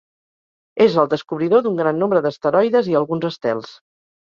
És el descobridor d'un gran nombre d'asteroides i alguns estels.